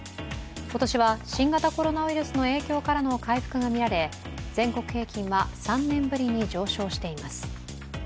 今年は新型コロナウイルスの影響からの回復がみられ全国平均は３年ぶりに上昇しています。